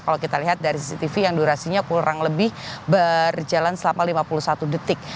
kalau kita lihat dari cctv yang durasinya kurang lebih berjalan selama lima puluh satu detik